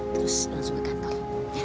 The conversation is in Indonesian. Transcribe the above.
terus langsung ke kantor